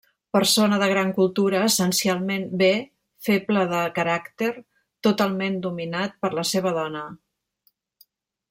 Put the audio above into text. Persona de gran cultura, essencialment bé, feble de caràcter, totalment dominat per la seva dona.